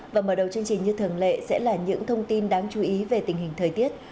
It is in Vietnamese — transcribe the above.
và mở đầu chương trình như thường lệ sẽ là những thông tin đáng chú ý về tình hình thời tiết